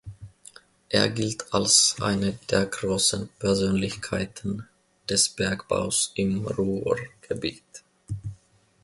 Er gilt als eine der großen Persönlichkeiten des Bergbaus im Ruhrgebiet.